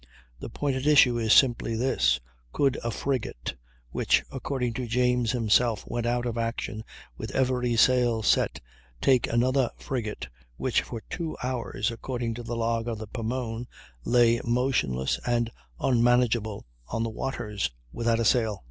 The point at issue is simply this: could a frigate which, according to James himself, went out of action with every sail set, take another frigate which for two hours, according to the log of the Pomone, lay motionless and unmanageable on the waters, without a sail?